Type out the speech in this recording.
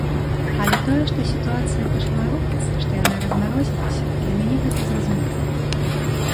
Але тое, што сітуацыя пачала рухацца, што яна размарозілася, для мяне гэта зразумела.